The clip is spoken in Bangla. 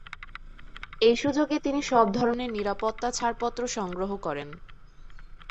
এই সুযোগে তিনি সব ধরনের 'নিরাপত্তা ছাড়পত্র' সংগ্রহ করেন।